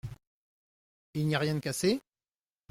Il n’y a rien de cassé ?